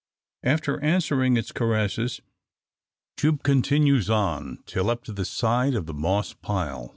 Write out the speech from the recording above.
After answering its caresses, Jupe continues on till up to the side of the moss pile.